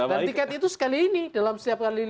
tiket itu sekali ini dalam setiap kali